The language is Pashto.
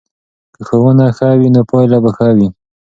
که ښوونه ښه وي نو پایله به ښه وي.